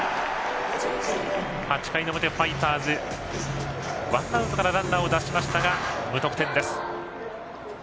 ８回の表、ファイターズワンアウトからランナーを出しましたが無得点です。